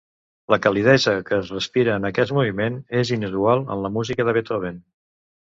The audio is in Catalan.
La calidesa que es respira en aquest moviment és inusual en la música de Beethoven.